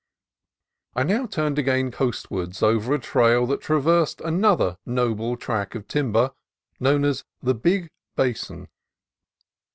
I now turned again coastwards over a trail that traversed another noble tract of timber, known as the Big Basin.